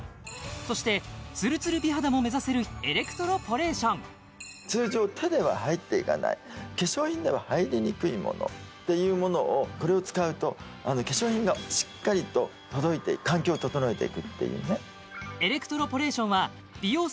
そしてツルツル美肌も目指せるエレクトロポレーション通常手では入っていかない化粧品では入りにくいものっていうものをこれを使うと化粧品がしっかりと届いて環境を整えていくっていうね